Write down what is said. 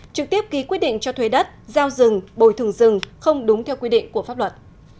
trực tiếp ký quyết định cho thuê đất giao rừng bồi thường rừng không đúng theo quy định của pháp luật